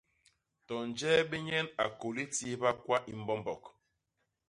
To nje bé nyen a kôli tihba kwa i mbombok.